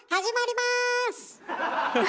始まります！